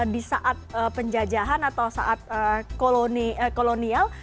di saat penjajahan atau saat kolonial